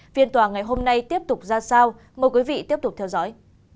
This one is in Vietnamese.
phiên tòa ngày hôm nay tiếp tục ra sao mời quý vị tiếp tục theo dõi